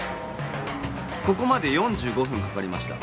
ここまで４５分かかりました